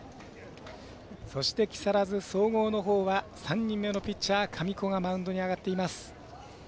そして、木更津総合のほうは３人目のピッチャー神子がマウンドに上がっています。